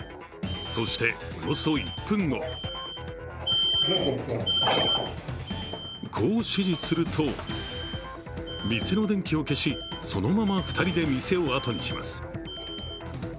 そして、およそ１分後こう指示すると、店の電気を消し、そのまま２人で店をあとにします。